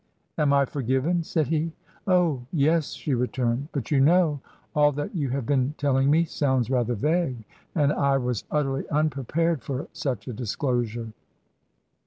" Am I forgiven ?" said he. *" Oh, yes," she returned. " But you know — all that you have been telling me sounds rather vague, and I was utterly unprepared for such a disclosure."